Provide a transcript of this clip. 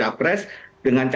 yang jadi probleman itu apa